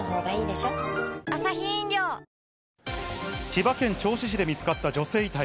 千葉県銚子市で見つかった女性遺体。